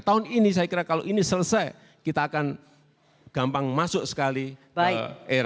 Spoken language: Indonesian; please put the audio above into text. tahun ini saya kira kalau ini selesai kita akan gampang masuk sekali ke era